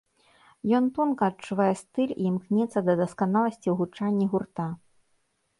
Ён тонка адчувае стыль і імкнецца да дасканаласці ў гучанні гурта.